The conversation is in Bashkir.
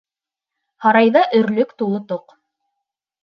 Һарайҙа өрлөк тулы тоҡ.